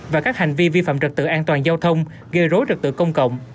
và các hành vi vi phạm trực tự an toàn giao thông gây rối trực tự công cộng